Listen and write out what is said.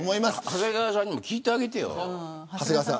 長谷川さんにも聞いてあげてよ。